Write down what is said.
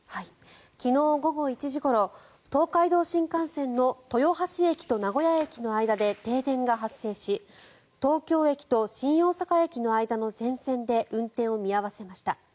昨日午後１時ごろ東海道新幹線の豊橋駅と名古屋駅の間で停電が発生し東京駅と新大阪駅の間の全線で運転を見合わせました。